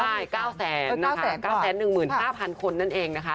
ใช่๙นะคะ๙๑๕๐๐คนนั่นเองนะคะ